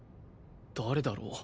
誰だろう